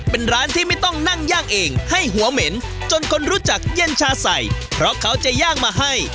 เป็นร้านที่ไม่ต้องนั่งย่างเองให้หัวเหม็นจนคนรู้จักเย็นชาใส่เพราะเขาจะย่างมาให้